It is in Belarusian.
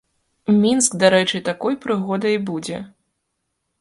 Мінск, дарэчы, такой прыгодай і будзе.